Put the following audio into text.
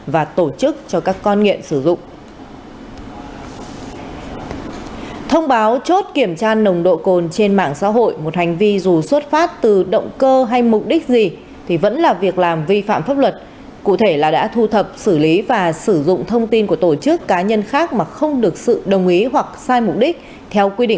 và tổ chức cho các con nghiện